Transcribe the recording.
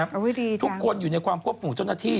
อุ๊ยดีจังทุกคนอยู่ในความควบคุมเจ้าหน้าที่